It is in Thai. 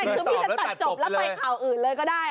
คือพี่จะตัดจบแล้วไปข่าวอื่นเลยก็ได้